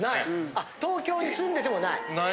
東京に住んでてもない？